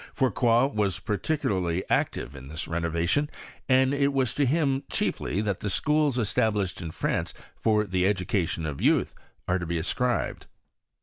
Fourcroy was particularly active in this renovation, and it was to him, chiefly, that the schools established in France for the educa tion of youth are to be ascribed.